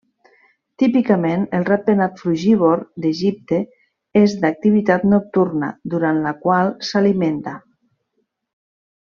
Típicament, el ratpenat frugívor d'Egipte és d'activitat nocturna, durant la qual s'alimenta.